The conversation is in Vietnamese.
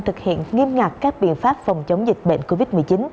thực hiện nghiêm ngặt các biện pháp phòng chống dịch bệnh covid một mươi chín